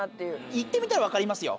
行ってみたら分かりますよ。